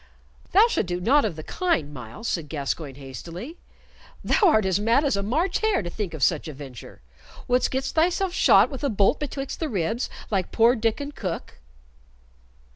"Thou shalt do naught of the kind, Myles," said Gascoyne, hastily. "Thou art as mad as a March hare to think of such a venture! Wouldst get thyself shot with a bolt betwixt the ribs, like poor Diccon Cook?"